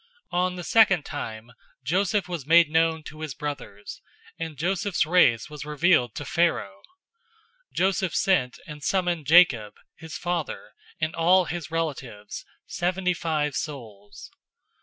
007:013 On the second time Joseph was made known to his brothers, and Joseph's race was revealed to Pharaoh. 007:014 Joseph sent, and summoned Jacob, his father, and all his relatives, seventy five souls.